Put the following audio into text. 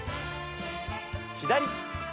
左。